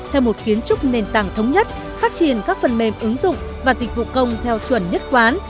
theo một kiến trúc nền tảng thống nhất phát triển các phần mềm ứng dụng và dịch vụ công theo chuẩn nhất quán